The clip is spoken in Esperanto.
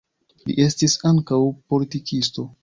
Li estis ankaŭ politikisto.